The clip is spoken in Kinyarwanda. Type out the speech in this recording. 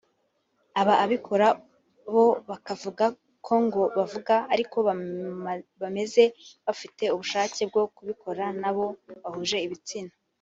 Ababikora bo bakavuga ko ngo bavuka ariko bameze bafite ubushake bwo kubikora n’abo bahuje ibitsina